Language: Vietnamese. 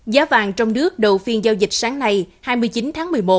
giá vàng trong nước đầu phiên giao dịch sáng nay hai mươi chín tháng một mươi một